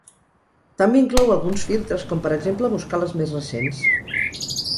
També inclou alguns filtres, com per exemple buscar les més recents.